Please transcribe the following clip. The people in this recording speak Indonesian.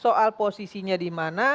soal posisinya di mana